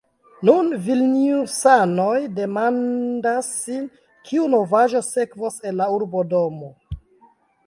Nun vilniusanoj demandas sin, kiu novaĵo sekvos el la urbodomo.